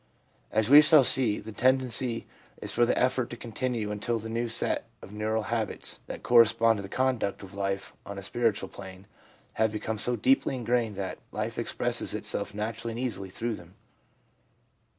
As we shall see, the tendency is for the effort to continue until the new set of neural habits, that correspond to the conduct of life on a spiritual plane, have become so deeply in grained that life expresses itself naturally and easily through them.